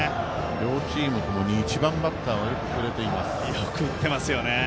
両チームともに１番バッターがよく振れています。